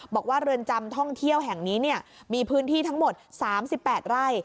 บอกว่าเรือนจำท่องเที่ยวแห่งนี้เนี่ยมีพื้นที่ทั้งหมดสามสิบแปดไร่